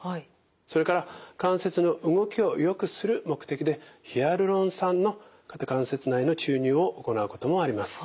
それから関節の動きをよくする目的でヒアルロン酸の肩関節内の注入を行うこともあります。